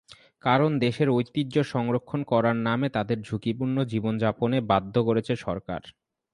কারণ, দেশের ঐতিহ্য সংরক্ষণ করার নামে তাদের ঝুঁকিপূর্ণ জীবনযাপনে বাধ্য করছে সরকার।